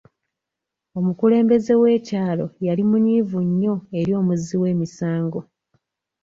Omukulembeze w'ekyalo yali munyiivu nnyo eri omuzzi w'emisango.